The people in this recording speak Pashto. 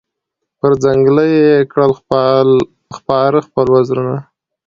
پر ځنګله یې کړل خپاره خپل وزرونه